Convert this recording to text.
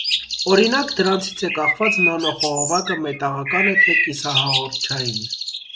Օրինակ՝ դրանցից է կախված նանոխողովակը մետաղական է, թե կիսահաղորդչային։